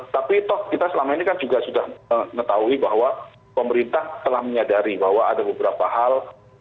tapi toh kita selama ini kan juga sudah mengetahui bahwa pemerintah telah menyadari bahwa ada beberapa hal